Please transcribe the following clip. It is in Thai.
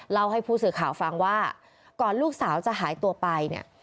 เล่าให้ผู้สื่อข่าวฟังว่าก่อนลูกสาวจะหายตัวไปเนี่ย